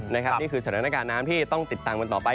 นี่คือสถานการณ์น้ำที่ต้องติดตามกันต่อไป